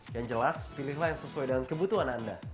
yang jelas pilihlah yang sesuai dengan kebutuhan anda